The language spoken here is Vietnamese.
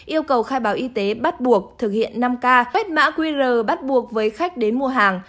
yêu cầu khai báo y tế bắt buộc thực hiện năm k quét mã qr bắt buộc với khách đến mua hàng